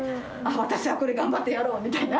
私はこれ頑張ってやろう！みたいな。